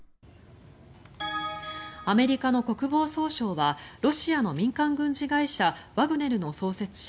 アメリカの国防総省はロシアの民間軍事会社ワグネルの創設者